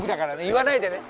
言わないでね。